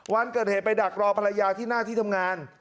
วันเกิดเหตุไปดักรอภรรยาที่หน้าที่ทำงาน